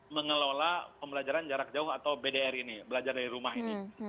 mengelola pembelajaran jarak jauh atau bdr ini belajar dari rumah ini